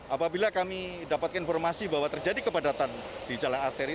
apabila kami dapat informasi bahwa terjadi kepadatan di jalan arteri